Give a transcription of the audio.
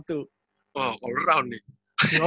oh posisi empat nya